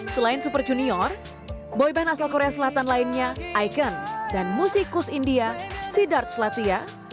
selain super junior boyband asal korea selatan lainnya ikon dan musikus india sidard slatia